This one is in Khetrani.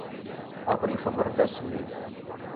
آپݨی خبر ݙَس میک